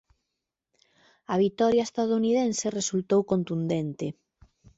A vitoria estadounidense resultou contundente.